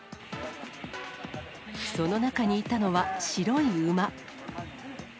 その中にいたのは白い馬。